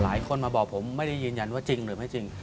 หลายคนมาบอกผมไม่ได้ยืนยันว่าจริงหรือไม่จริง